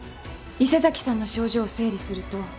伊勢崎さんの症状を整理すると。